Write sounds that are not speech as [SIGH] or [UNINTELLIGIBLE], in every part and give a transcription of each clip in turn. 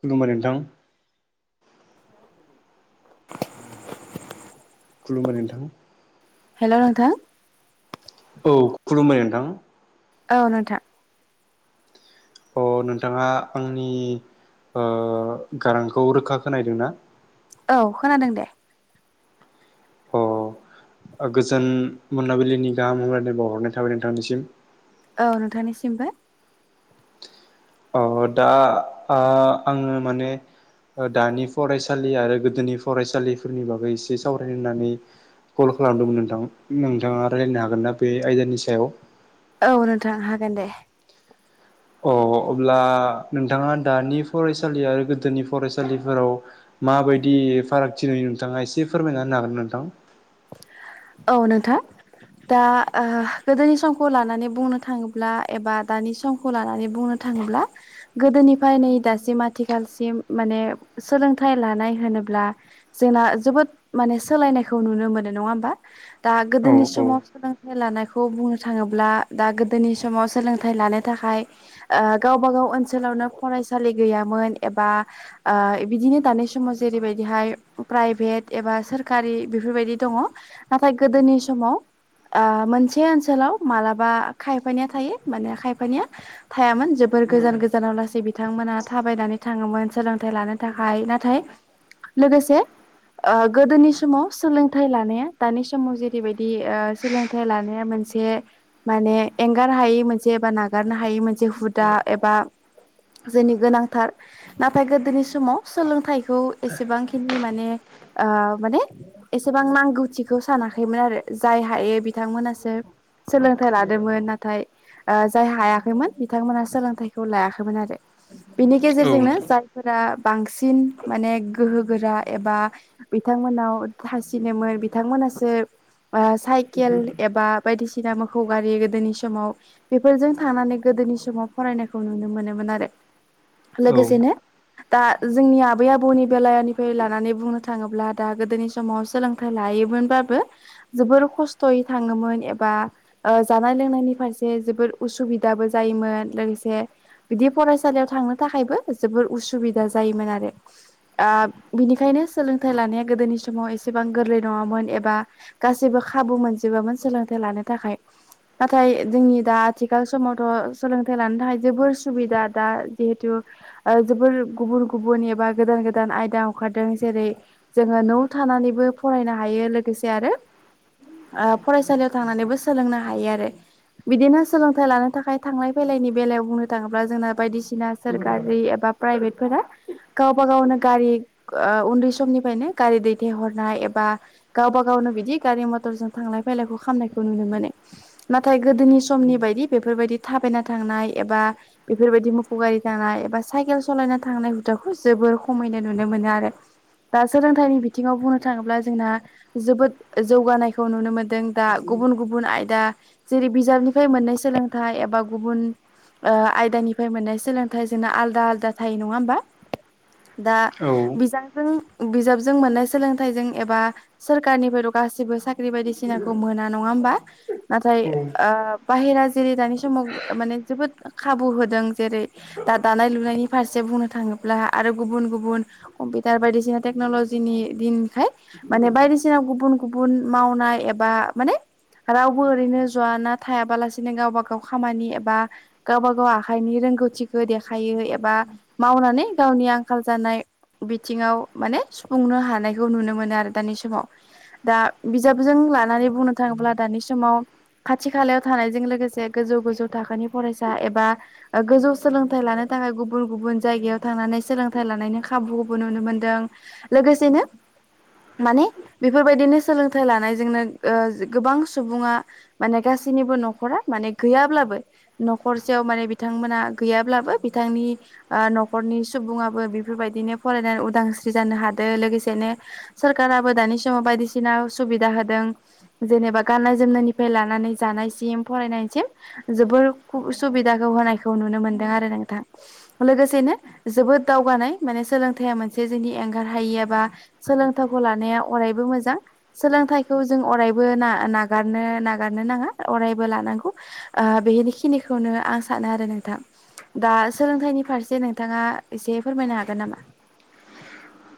खुलुमबाय नोंथां [UNINTELLIGIBLE] खुलुमबाय नोंथां हेल' नोंथां औ खुलुमबाय नोंथां। औ नोंथां अ नोंथाङा आंनि ओ गारांखौ रोखा खोनाहैदोंना? औ खोनादों दे। अ ओ गोजोन मोनाबिलिनि गाहाम हामलायनाय बावहरनाय थाबाय नोंथांनिसिम। औ नोंथांनिसिमबो। अ दा आ आङो माने दानि फरायसालि आरो गोदोनि फरायसालि फोरनि बागै एसे सावरायनो होनानै-य कल खालामदोंमोन नोंथां, नोंथाङा रायलायनो हागोन ना बे आयदानि सायाव? औ नोंथां, हागोन दे। अ, अब्ला नोंथाङा दानि फरायसालि आरो गोदोनि फरायसालिफोराव माबायदि फारागथि नुयो नोंथाङा एसे फोरमायना होनो हागोना नोंथां? औ नोंथां, दा, ओ गोदोनि समखौ लानानै बुंनो थाङोब्ला एबा दानि समखौ लानानै बुंनो था ङोब्ला, गोदोनिफ्राय नै दासिम आथिखालसिम माने सोलोंथाइ लानाय होनो ब्ला जोंना जोबोद माने सोलायनायखौ नुनो मोनो नङा होमबा? दा, औ गोदोनि समाव सोलोंथाइ लानायखौ बुंनो थाङोब्ला, दा गोदोनि समाव सोलोंथाइ ला नो थाखाय ओ गावबा-गाव ओनसोलावनो फरायसालि गैयामोन एबा ओ बिदिनो दानाय समाव जेरै बायदिहाय प्राइभेट एबा सोरखारि बेफोरबायदि दङ। नाथाय गोदोनि समाव ओ, मोनसे ओनसोलाव मालाबा खायफानिया थायो। माने खायफानिया थायामोन जोब बोर गोजान गोजानाव लासै बिथांमोना थाबायनानै थाङोमोन। सोलोंथायाइ लानो थाखाय। नाथाय लोगोसे ओ गोदोनि समाव सोलोंथाइ लानाया दानि समाव जेरैबायदि, ओ सोलोंथाइ लानाया मोनसे माने एंगार हायै मोनसे बा नागारनो हायै मोनसे हुदा एबा जोंनि गोनांथार नाथाय गोदोनि समाव सोलोंथाइखौ एसेबांखिनि माने आ माने, एसेबां नांगौ [INAUDIBLE] सानाखैमोन आरो जाय हायो बिथांमोनासो, सोलोंथाइ लादोंमोन। नाथाय, ओ जाय हायाखैमोन बिथांमोना सोलोंथाइखौ लायाखैमोन आरो। बिनि औ गेजेरजोंनो नोंथां। जायफोरा बांसिन माने गोहो गोरा एबा बिथांमोनाव थासिनोमोन बि थां मोनासो बा साइकेल एबा बायदिसिना मोखौ गारि गोदोनि समाव बेफोरजों थांनानै गो दोनि समाव फरायनायखौ नुनो मोनोमोन आरो। औ लोगोसेनो दा, जोंनि आबै आबौनि बेलनिफ्राय लानानै बुंनो थाङोब्ला दा गोदोनि समाव सोलोंथाइ लायो मोनबाबो जोबोर खस्थ'यै थाङोमोन एबा, ओ जानाय लोंनायनि फारसे जोबोर उसुबिदाबो जायोमोन। लोगोसे बिदि फरायसालियाव थांनो थाखायबो जोबोर उसुबिदा जायोमोन आरो, ओ बिनिखायनो सोलोंथाइ लानाया गोदोनि समाव एसेबां गोरलै नङामोन। एबा गासैबो खाबु मोनजोबामोन सोलोंथाइ लानो थाखाय। नाथाय जोंनि दा आथिखाल समावथ' सोलोंथाइ लानो थाखाय जोबोर सुबिदा दा जिहेथु ओ जोबोर गुबुन गुबुन एबा गोदान गोदान आयदा अंखारदों जेरै जोङो न' था नानैबो फरायनो हायो लोगोसे आरो ओ फरायसालियाव थांनानैबो सोलोंनो हायो आरो। बिदिनो सोलोंथाइ लानो थाखाय थांलाय फैलायनि बेलायाव बुंनो थाङोब्ला जोंना बायदिसिना सोरखारि एबा भाइब्रेदफोरा, गावबा गावनो गारि ओ उन्दै समनिफ्रायनो गारि दैथाहरनाय एबा बा गावबा-गावनो बिदि, गारि मथरजों थांलाय फायलायखौ खालामनायखौ नुनो मोनो। नाथाय गोदोनि समनि बायदि नि बेफोरबायदि थायबाना थांनाय एबा बेफोरबायदि मोखौ गारि थानाय एबा साइकेल समायना थांनाय [INAUDIBLE] खौ जोबोर खमैनो नुनो मोनो आरो दा सोलोंथाइनि बिथिङाव बुंनो थाङोब्ला जोंना जोबोद जौगानायखौ नुनो मोनदों दा गुबुन गुबुन आयदा जेरै बिजाबनिफ्राय मोननैसो सोलोंथाइ एबा गुबुन आयदानिफ्राय मोननाय सोलोंथाइ जोंना आलदा आलदा थायो नङा होमबा? दा औ बिजाबजों बिजाबजों मोननाय सोलोंथाइजों एबा सोरखारनिफ्रायथ गासिबो साख्रि बायदिसिनाखौ मोना नङा होमबा? नाथाय औ ओ बाहेरा जेरै दानि समाव ओ माने जोबोद खाबु होदों जेरै दा दानाय लुनायनि फारसे बुंनो थाङोब्ला आरो गुबुन गुबन कमपिउटार बायदिसिना टेकनलजिनि दिनायखाय माने बायदिसिना गुबुन गुबुन मावनाय एबा माने रावबो ओरैनो ज ना थायाबालासिनो गावबा गाव खामानि एबा गावबा गाव आखाइनि रो रोंगौथिखौ देखायो एबा मावनानै गावनि आंखाल जानाय बिथिङाव माने सुफुंनो हानायखौ नुनो मोनो आरो दानि समाव दा बिजाबजों लानानै बुंनो थाङोब्ला दानि समाव खाथि खालायाव थानायजों लोगोसे गोजौ गोजौ थाखोनि फरायसा एबा गोजौ सोलोंथाइ लानो थाखाय गुबुन गुबुन जायगायाव थांनानै सोलोंथाइ लानायनि खाबुखौबो नुनो मोनदों लोगोसेनो [INAUDIBLE] माने बेफोरबायदिनो सोलोंथाइ लानायजोंनो ओ गोबां सुबुङा माने गासैनि बो नखरा माने गैयाब्लाबो नखरसेयाव माने बिथांमोना गैयाब्लाबो बिथांनि आ नखरनि सुबुङाबो बेफोरबायदिनो फरायनानै उदांस्रि जानो हादों लोगोसेनो सोरखाराबो दानि समाव बायदिसिना सुबिदा होदों जेनेबा गाननाय जोमनायनिफ्राय लानानै जानो सिम फरायनायसिम जोबोर सुबिदाखौ होनायखौ नुनो मोनदों आरो नोंथां लोगोसेनो जोबोद दावगानाय माने सोलोंथाइया मोनसे जोंनि एंगार हायि एबा सोलों थाइखौ लानाया अरायबो मोजां सोलोंथाइखौ जों अरायबो नागारनो नागारनो नाङा अरायबो लानांगौ ओ बेनिखिनिखौनो आं सानो आरो नोंथां दा सोलोंथाइनि फारसे नोंथाङा एसे फोरमायनो हागोन नामा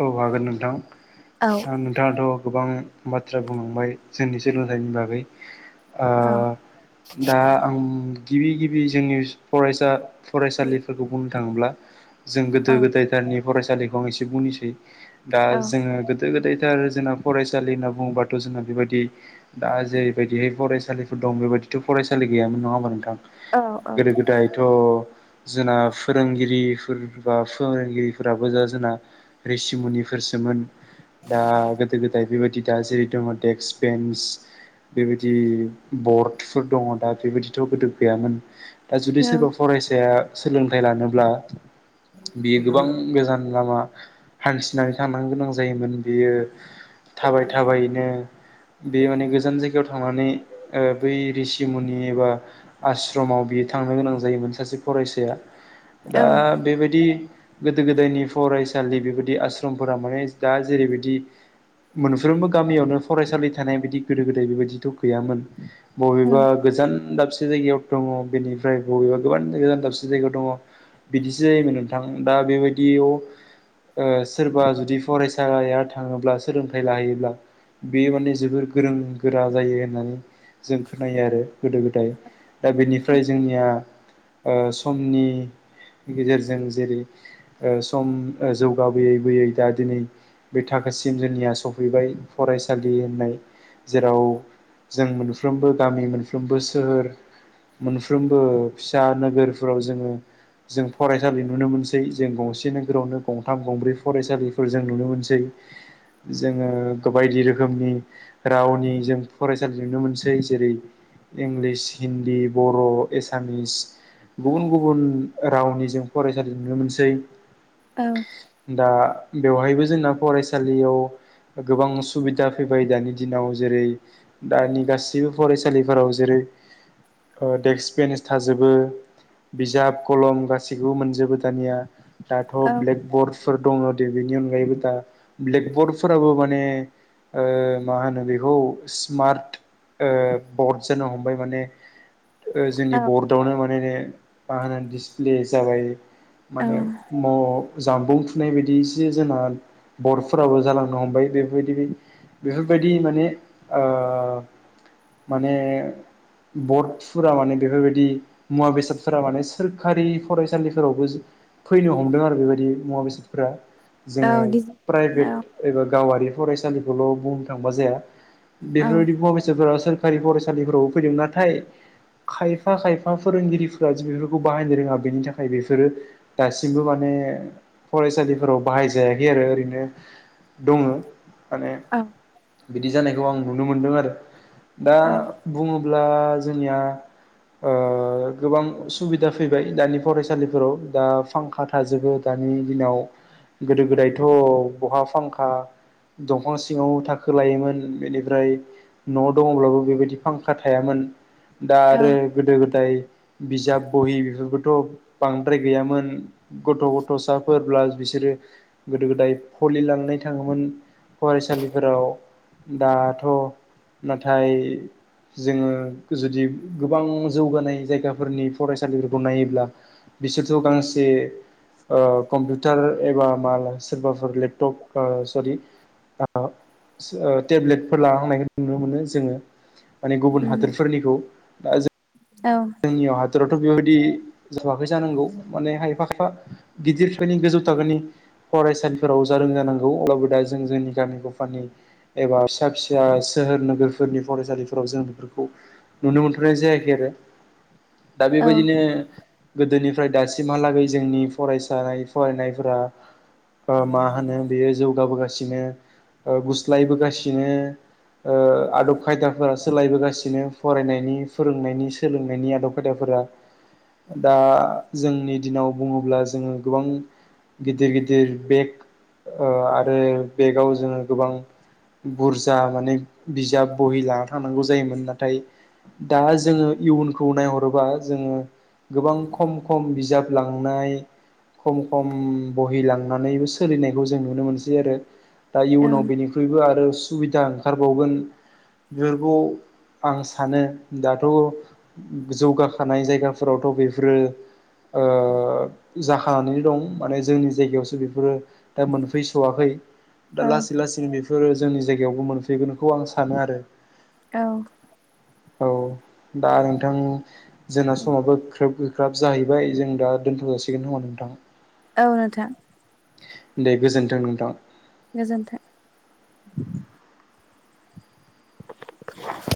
औ हागोन नोंथां औ नोंथाङाथ गोबां बाथ्रा बुंलांबाय जोंनि सोलोंथाइनि बागै ओ औ दा आं गिबि गिबि जोंनि फरायसा फरायसालिफोरखौ बुंनो थाङोब्ला जों औ गोदो गोदायथारनि फरायसालिखौ आं एसे बुंनोसै दा औ जोङो गोदो गोदायथार जोंना फरायसालि होनना बुङोबाथ जोंना बेबायदि दा जेरैबायदिहाय फरायसालिफोर दं बेबायदिथ फरायसालि गैयामोन नङा होमबा औ नोंथां गोदो गोदायथ जोंना फोरोंगिरिफोर बा फोरोंगिरिफोराबो जा जोंना रिसिमुनिफोरसोमोन दा गोदो गोदाय बेबायदि दा जेरै दङ डेक्स बेन्स बेबायदि बर्डफोर दङ दा बेबायदिथ गोदो गैयामोन दा जुदि सोरबा फरायसाया सोलोंथाइ लानोब्ला बियो गोबां गोजान लामा हान्थिनानै थांनो गोनां जायोमोन बेयो थाबाय थाबायैनो बे माने गोजान जायगायाव थांनानै ओ बै रिसिमुनि एबा आश्रमाव बियो बे थांनो गोनां जायोमोन सासे फरायसाया दा बेबायदि गोदो गोदायनि फरायसालि बेबाय आस्रमफोरा माने दा जेरैबायदि मोनफ्रोमबो गामियावनो फरायसालि थानाय बायदि गोदो गोदाय बेबायदिथ गैयामोन बबेबा गोजान दाबसे दाबसे जायगायाव दङ बेनिफ्राय बबेबा गोबां जायगा दाबसे जायगायाव दङ बिदिसो जायोमोन नोंथां दा बेबायदियाव ओ सोरबा जुदि फरायसाया थाङोब्ला सोलोंथाइ लाहैयोब्ला बे माने जोबोर गोरों गोरा जायो होननानै जों खोनायो आरो गोदो गोदाय दा बेनिफ्राय जोंनिया ओ समनि गेजेरजों जेरै ओ सम जौगाबोयै बोयै दा दिनै बे थाखोसिम जोंनिया सफैबाय फरायसालि होननाय जेराव जों मोनफ्रोमबो गामि मोनफ्रोमबो सोहोर मोनफ्रोमबो फिसा नोगोरफोराव जोङो जों फरायसालि नुनो मोनसै जों गंसे नोगोरावनो गंथाम गंब्रै फरायसालिफोर जों नुनो मोनसै। जोङो बायदि रोखोमनि रावनि जों फरायसालि नुनो मोनसै जेरै इंलिस हिन्दी बर' एसामिस गुबुन-गुबुन रावनि जों फरायसालि नुनो मोनसै। औ दा बेवहायबो जोंना फरायसालियाव गोबां सुबिदा फैबाय दानि दिनाव जेरै दानि गासिबो फरायसालिफोराव जेरै ओ देक्स बेन्स थाजोबो। बिजाब कलम गासैखौबो मोनजोबो दानिया। दाथ' औ ब्लेकबर्डफोर दङो। बेनि अनगायैबो दा ब्लेकबर्डफोराबो माने ओ मा होनो बेखौ स्मार्ट। बर्ड जानो हमबाय माने ओ जोंनि बर्डआवनो माने मा होनोना दिसप्ले जाबाय औ माने अ जामबुं फुनाय बायदि एसे जोंना बर'फोराबो जालांनो हमबाय बेफोरबायदि बेफोरबायदि माने ओ माने बर्डफोरा माने बेफोरबायदि मुवा बेसादफोरा माने सोरखारि फरायसालिफोरावबो फैनो हमदों आरो बेबायदि मुवा बेसादफोरा औ जोंङो डिजिटेल औ प्राइभेट एबा गावारि फरायसालिखौल' बुंनो थांबा जाया। औ बेफोरबायदि मुवा बेसाफोरा सोर सरखारि फरायसालिफोरावबो फैदों। नाथाय खायफा-खायफा फोरोंगिरिफोरा [UNINTELLIGIBLE] बिफोरखौ बाहायनो रोङा बेनि थाखाय बेसोरो दासिमबो माने फरायसालिफोराव बाहाय जायाखै आरो ओरैनो दङो। माने बिदि जानायखौ आं नुनो मोनदों आरो। दा औ बुङोब्ला ब्ला जोंनिया ओ गोबां सुबिदा फैबाय दानि फरायसालिफोराव दा फांखा थाजोबो दानि दिनाव गोदो गोदायथ' बहा फांखा दंफां सिङाव थाखो लायोमोन बेनिफ्राय न' दङब्लाबो बेबायदि फांखा थायामोन। अम। दा आरो गोदो गोदाय बिजाब बहि बेफोरखौथ' बांद्राय गैयामोन। गथ' गथ'साफोरब्ला बिसोरो गोदो गोदाय फलि लांनाय थाङोमोन। फरायसालिफोराव दाथ' नाथाय जोङो जुदि गोबां जौगानाय जायगाफोरनि फरायसालिफोरखौ नायोब्ला बिसोरथ' गांसे ओ कम्पिउटार एबा मा सोरबाफोर लेपटप ओ सरि [UNINTELLIGIBLE] ओ टेब्लेटफोर लाना थांनायखौ नुनो मोनो जोङो। माने गुबुन हादोरफोरनिखौ दा जों औ जोंनियावहाद बोथोरावथ' बेबायदि जाबाखै जानांगौ माने खायफा फा गिदिरफोरनि गोजौ थाखोनि फरायसालिफोराव जादों जानांगौ अब्लाबो दा जों जोंनि गामि गफानि एबा फिसा-फिसा सोहोर नोगोरफोरनि फरायसालिफोराव जों बेफोरखौ नुनो मोन्थ'नाय जायाखै आरो। बे दा औ बेबायदिनो गोदोनिफ फ्राय दासिमहालागै जोंनि फरायसा फरायनायफोरा ओ मा होनो बेयो जौगाबोगासिनो ओ गुस्लायबोगासिनो। ओ आदब खायदाफोरा सोलायबोगासिनो फरायनायनि फोरोंनायनि सोलों बनि आदब खायदाफोरा। दा जोंनि दिनाव बुङोब्ला जोङो गोबां गिदिर गिदिर बेग ओ आरो बेगाव जोङो गोबां बुरजा माने बिजाब बहि लाना थांनांगौ जायोमोन नाथाय दा जोङो इयुन खौ नायहरोबा जोङो गोबां खम खम बिजाब लांनाय खम खम बहिलांनानैबो सोलिनायखौ जों नुनो मोनसै आरो दा औ इयुनाव बेनिख्रुइबो आरो सुबिदा ओंखारबावगोन बेफोरखौ आं सानो दाथ' जौगाखानाय जायगाफोरावथ' बेफोरो ओ जाखानानै दं माने जोंनि जायगायावसो बेफोरो दा मोनफैस'वाखै औ दा लासै लासैनो बेफोरो जोंनि जायगायावबो मोनफैगोनखौ आं सानो आरो औ। औ। दा नोंथां जोंना समाबो ग्रोब ग्रोब जाहैबाय जों दा दोन्थ' जाासिगोन होमा नोंथां? औ। नोंथां। दे गोजोन्थों नोंथां। गोजोन्थों। [INAUDIBLE] [UNINTELLIGIBLE]